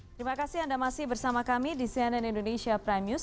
terima kasih anda masih bersama kami di cnn indonesia prime news